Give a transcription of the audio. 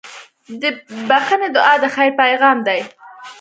د بښنې دعا د خیر پیغام دی.